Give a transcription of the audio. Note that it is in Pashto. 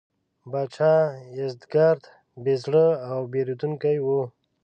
پاچا یزدګُرد بې زړه او بېرندوکی و.